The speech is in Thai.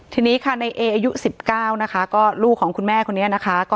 ทีนี้ค่ะในเออายุ๑๙นะคะก็ลูกของคุณแม่คนนี้นะคะ